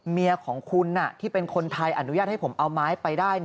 เมียของคุณที่เป็นคนไทยอนุญาตให้ผมเอาไม้ไปได้